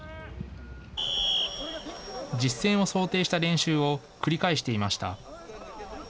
実戦を想定した練習を繰り返していました。